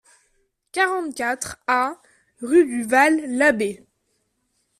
quarante-quatre A rue du Val l'Abbé